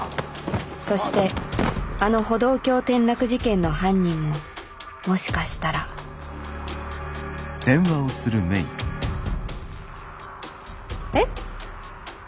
そしてあの歩道橋転落事件の犯人ももしかしたらえっ？